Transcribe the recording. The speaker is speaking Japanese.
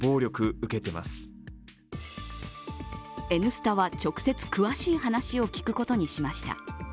「Ｎスタ」は直接、詳しい話を聞くことにしました。